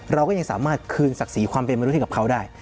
เราก็ยังสามารถคืนศักดิ์ศรีความเป็นมนุษย์ให้กับเขาได้